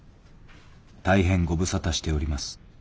大変ご無沙汰しております。